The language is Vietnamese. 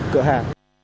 của cửa hàng